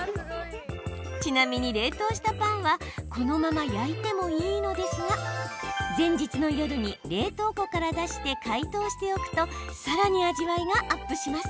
ちなみに冷凍したパンはこのまま焼いてもいいのですが前日の夜に冷凍庫から出して解凍しておくとさらに味わいがアップします。